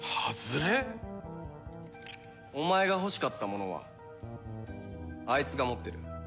お前が欲しかったものはあいつが持ってる。